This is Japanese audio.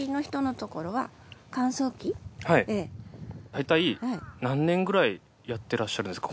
だいたい何年くらいやってらっしゃるんですか？